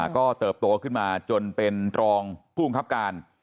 ก็เติบโตขึ้นมาจนเป็นรองผู้บังคับการ